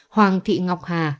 hoàng thị ngọc hà